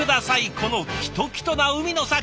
このきときとな海の幸！